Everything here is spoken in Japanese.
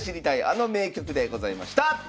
あの名局」でございました！